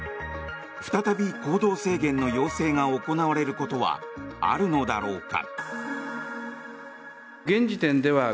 再び行動制限の要請が行われることはあるのだろうか。